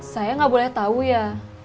saya nggak boleh tahu ya